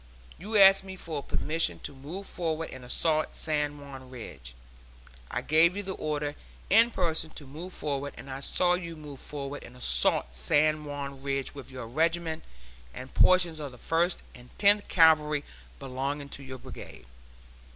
You asked me for permission to move forward and assault San Juan Ridge. I gave you the order in person to move forward, and I saw you move forward and assault San Juan Ridge with your regiment and portions of the First and Tenth Cavalry belonging to your Brigade.